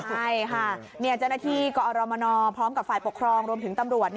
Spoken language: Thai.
ใช่ค่ะเจ้าหน้าที่กอรมนพร้อมกับฝ่ายปกครองรวมถึงตำรวจ